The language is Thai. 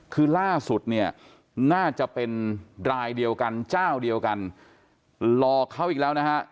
คือล่าสุดเนี่ยน่าจะเป็นรายเดียวกันเจ้าเดียวกันหลอกเขาอีกแล้วนะฮะ